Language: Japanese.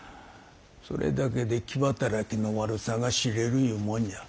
それだけで気働きの悪さが知れるいうもんや。